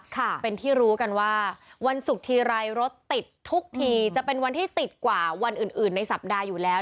ค่ะเป็นที่รู้กันว่าวันศุกร์ทีไรรถติดทุกทีจะเป็นวันที่ติดกว่าวันอื่นอื่นในสัปดาห์อยู่แล้ว